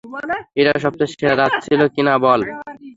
এটা সবচেয়ে সেরা রাত ছিলো কিনা বল?